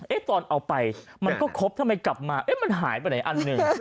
ตอนเอาไปมันก็ครบทำไมกลับมาเอ๊ะมันหายไปไหนอันหนึ่ง